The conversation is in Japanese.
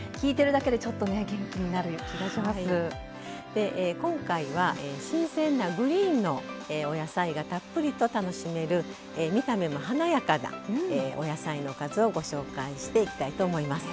で今回は新鮮なグリーンのお野菜がたっぷりと楽しめる見た目も華やかなお野菜のおかずをご紹介していきたいと思います。